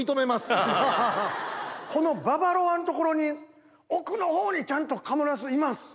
このババロアの所に奥の方にちゃんと賀茂なすいます。